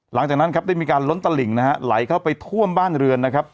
หลังจากนั้นได้มีการล้นตลิ่งไหลเข้าไปท่วมบ้านเรือน